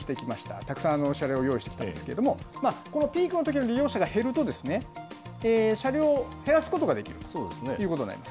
たくさんの車両を用意してきたんですけれども、このピークのときの利用者が減ると、車両を減らすことができるということになります。